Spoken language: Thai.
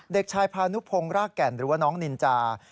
เด็กชายพานุพงศ์รากแก่นหรือว่าน้องนินจา